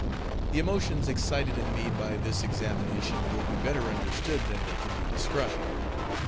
The emotions excited in me by this examination will be better understood than they can be described.